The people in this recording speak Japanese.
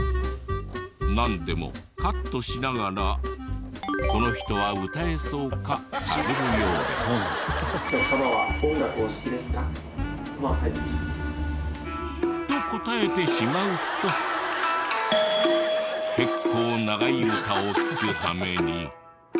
なんでもカットしながらこの人は歌えそうか探るようで。と答えてしまうと結構長い歌を聴くはめに。